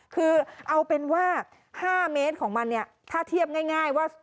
คือเอาเป็นว่า๕เมตรของมันเนี่ยถ้าเทียบง่ายว่า